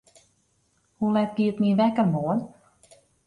Hoe let giet myn wekker moarn?